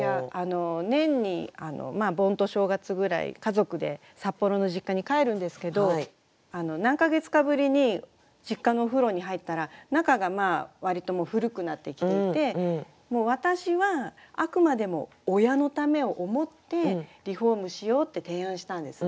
年に盆と正月ぐらい家族で札幌の実家に帰るんですけど何か月かぶりに実家のお風呂に入ったら中が割と古くなってきていてもう私はあくまでも親のためを思ってリフォームしようって提案したんですね。